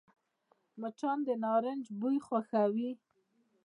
مچان د نارنج بوی خوښوي